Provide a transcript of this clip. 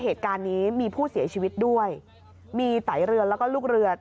เหตุการณ์นี้มีผู้เสียชีวิตด้วยมีไตเรือแล้วก็ลูกเรือ